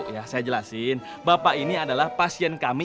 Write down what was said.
ya saya jelasin bapak ini adalah pasien kami